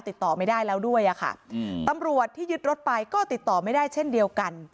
ติดต่อไม่ได้แล้วด้วยอะค่ะตำรวจที่ยึดรถไปก็ติดต่อไม่ได้เช่นเดียวกัน